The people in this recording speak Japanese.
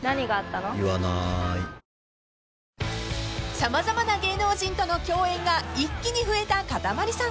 ［様々な芸能人との共演が一気に増えたかたまりさん］